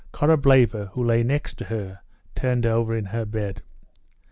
Korableva, who lay next to her, turned over in her bed.